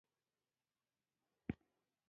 جګړه د غرور نتیجه ده